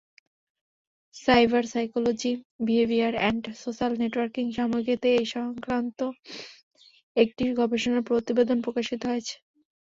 Cyberpsychology, behaviour and social networking সাময়িকীতে এ-সংক্রান্ত একটি গবেষণা প্রতিবেদন প্রকাশিত হয়েছে।